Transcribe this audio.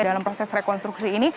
dalam proses rekonstruksi ini